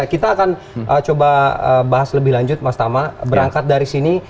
kita akan coba bahas lebih lanjut mas tama berangkat dari sini